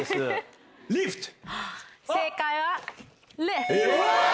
正解は。